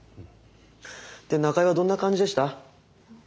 で中江はどんな感じでした？